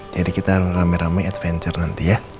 jadi kita rame rame adventure nanti ya